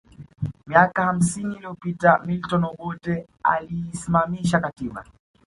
Miaka hamsini liyopita Milton Obote aliisimamisha katiba